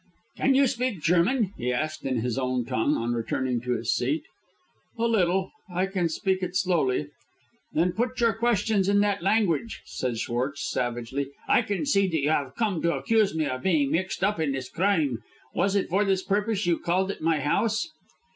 "Can you speak German?" he asked, in his own tongue, on returning to his seat. "A little. I can speak it slowly." "Then put your questions in that language," said Schwartz, savagely. "I can see that you have come to accuse me of being mixed up in this crime. Was it for this purpose that you called at my house?"